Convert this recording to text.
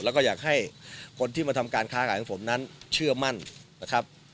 แล้วก็อยากให้คนที่มาทำการค้าขายของผมนั้นเชื่อมั่นนะครับ